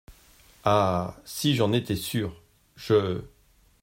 Ah ! si j’en étais sûre !… je…